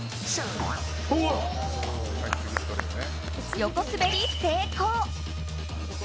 横滑り成功！